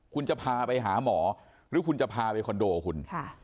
คุณจะพาไปหาหมอหรือคุณจะพาไปคอนโดคุณ